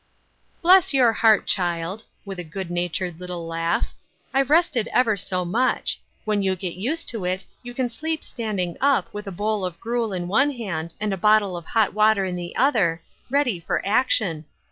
" Bless your heart, child " (with a good natured little laugh) ! "I've rested ever so much. When you get used to it, you can sleep standing up, with a bowl of gruel in one hand, and a bottle of hot water in the other, ready foi action.